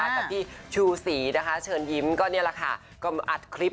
กับพี่ชูศรีนะคะเชิญยิ้มก็นี่แหละค่ะก็อัดคลิป